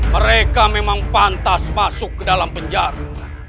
mereka memang pantas masuk ke dalam penjara